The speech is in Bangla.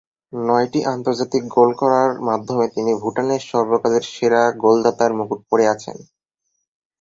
নয়টি আন্তর্জাতিক গোল করার মাধ্যমে তিনি ভুটানের সর্বকালের সেরা গোলদাতার মুকুট পরে আছেন।